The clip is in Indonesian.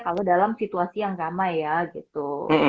kalau dalam situasi yang ramai ya gitu